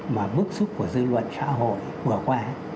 mà bước xuất của dư luận xã hội vừa qua